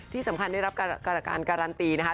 ที่สำคัญได้รับการการันตีนะคะ